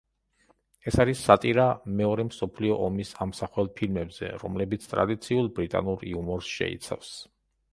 ეს არის სატირა მეორე მსოფლიო ომის ამსახველ ფილმებზე, რომელიც ტრადიციულ ბრიტანულ იუმორს შეიცავს.